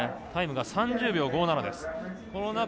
タイム、３０秒５７です。